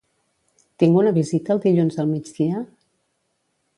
Tinc una visita el dilluns al migdia?